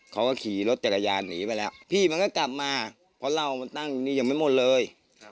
เขาก็ขี่รถจักรยานหนีไปแล้วพี่มันก็กลับมาเพราะเหล้ามันตั้งนี่ยังไม่หมดเลย